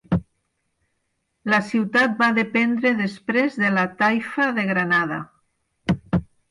La ciutat va dependre després de la taifa de Granada.